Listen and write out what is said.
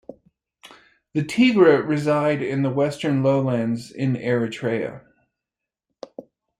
The Tigre reside in the western lowlands in Eritrea.